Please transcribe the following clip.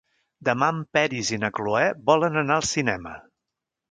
Demà en Peris i na Cloè volen anar al cinema.